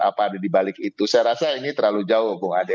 apa ada di balik itu saya rasa ini terlalu jauh bung ade